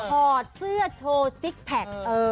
ถอดเสื้อโซซิกแพคเออ